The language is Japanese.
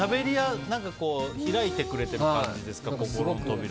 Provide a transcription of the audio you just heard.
開いてくれている感じですか心の扉を。